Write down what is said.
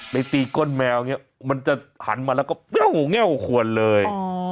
ในตีก้นแมวเนี่ยมันจะหันมาแล้วก็นแฮวควนเลย